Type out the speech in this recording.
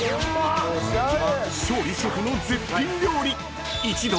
［勝利シェフの絶品料理］